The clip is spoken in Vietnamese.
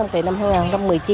từ năm hai nghìn một mươi chín